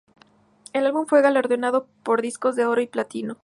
El álbum fue galardonado con discos de oro y platino.